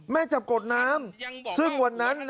แม่จับกดน้ำซึ่งวันนั้น